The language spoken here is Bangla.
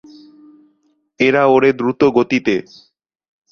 এরা ওড়ে দ্রুত গতিতে।